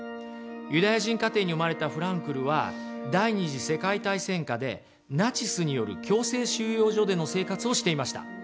ユダヤ人家庭に生まれたフランクルは第２次世界大戦下でナチスによる強制収容所での生活をしていました。